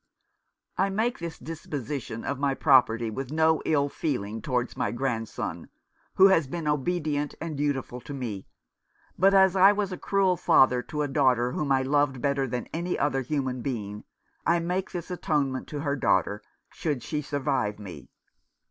" I make this disposition of my property with no ill feeling towards my grandson, who has been obedient and dutiful to me, but as I was a cruel 275 Rough Justice. father to a daughter whom I loved better than any other human being, I make this atonement to her daughter, should she survive me.